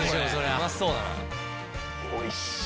うまそうだな。